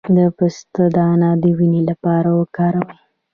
د پسته دانه د وینې لپاره وکاروئ